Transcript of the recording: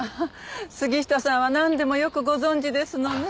杉下さんはなんでもよくご存じですのねぇ。